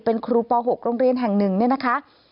เป็นครูป๖โรงเรียนแห่งหนึ่งเนี่ยนะคะ